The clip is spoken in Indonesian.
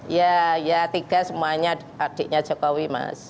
iya iya tiga semuanya adiknya jokowi mas